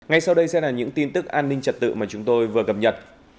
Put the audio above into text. ngay sau đây sẽ là những tin tức an ninh trật tự mà chúng tôi vừa cập nhật